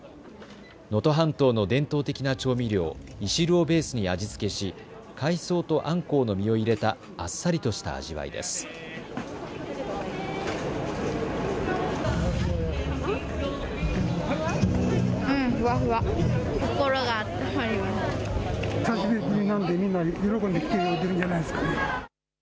能登半島の伝統的な調味料、いしるをベースに味付けし海藻とあんこうの身を入れたあっさりとした味わいです。